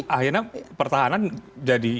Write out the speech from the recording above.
akhirnya pertahanan jadi